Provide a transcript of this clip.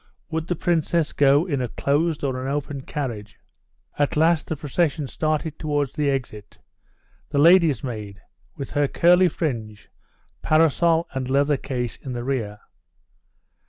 Would the Princess go in a closed or an open carriage? At last the procession started towards the exit, the lady's maid, with her curly fringe, parasol and leather case in the rear.